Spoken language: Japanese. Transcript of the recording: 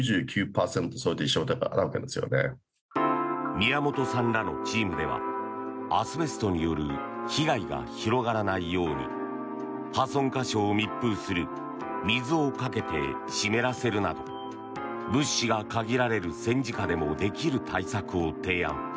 宮本さんらのチームではアスベストによる被害が広がらないように破損箇所を密封する水をかけて湿らせるなど物資が限られる戦時下でもできる対策を提案。